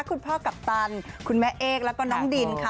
กัปตันคุณแม่เอกแล้วก็น้องดินค่ะ